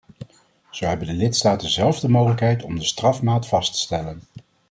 Zo hebben de lidstaten zelf de mogelijkheid om de strafmaat vast te stellen.